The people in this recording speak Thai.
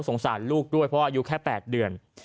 สารลูกด้วยเพราะอายุแค่๘เดือน